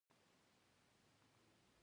په مينه سپين يهود خپلېږي